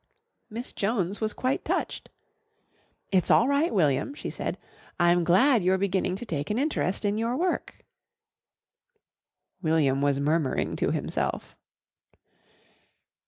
Miss Jones was quite touched. "It's all right, William," she said, "I'm glad you're beginning to take an interest in your work." William was murmuring to himself.